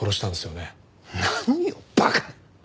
何を馬鹿な！